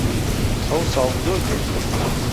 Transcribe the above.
ئەوساڵ زۆر گەرمە